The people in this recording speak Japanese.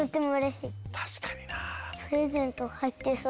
プレゼントはいってそう。